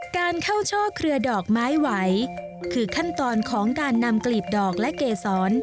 การเข้าช่อเครือดอกไม้ไหวคือขั้นตอนของการนำกลีบดอกและเกษร